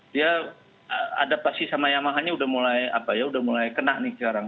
dia adaptasi sama yamaha nya udah mulai kenak nih sekarang